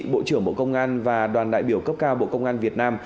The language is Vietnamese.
bộ trưởng bộ công an và đoàn đại biểu cấp cao bộ công an việt nam